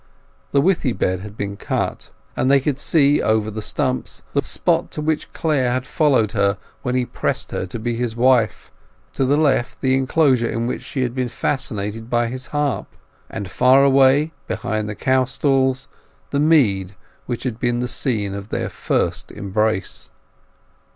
The withy bed had been cut, and they could see over the stumps the spot to which Clare had followed her when he pressed her to be his wife; to the left the enclosure in which she had been fascinated by his harp; and far away behind the cow stalls the mead which had been the scene of their first embrace.